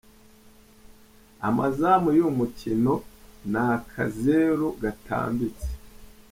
Amazamu y'uyu mukino ni akazeru Gatambitse.